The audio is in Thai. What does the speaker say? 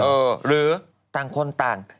หรือต่างคนต่าง